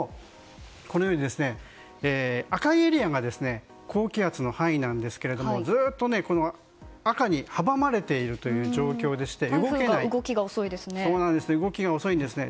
このように赤いエリアが高気圧の範囲なんですがずっと赤に阻まれている状況でして動きが遅いんですね。